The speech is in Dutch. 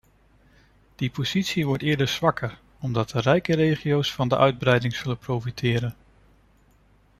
Die positie wordt eerder zwakker, omdat de rijkste regio's van de uitbreiding zullen profiteren.